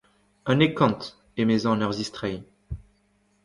Unnek kant, emezañ en ur zistreiñ.